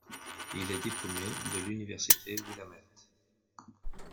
Il est diplômé de l'Université Willamette.